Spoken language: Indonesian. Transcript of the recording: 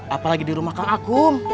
apalagi di rumah kak aku